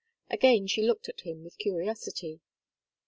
Again she looked at him with curiosity.